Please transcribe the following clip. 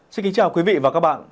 xin kính chào quý vị và các bạn